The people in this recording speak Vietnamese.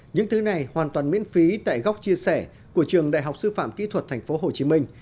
những thứ này hoàn toàn miễn phí tại góc chia sẻ của trường đại học sư phạm kỹ thuật tp hcm